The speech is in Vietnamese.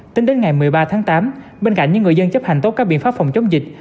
tính đến ngày một mươi ba tháng tám bên cạnh những người dân chấp hành tốt các biện pháp phòng chống dịch